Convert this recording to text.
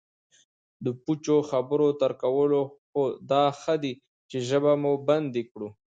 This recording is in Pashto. د پوچو خبرو تر کولو خو دا ښه دی چې ژبه مو بندي کړو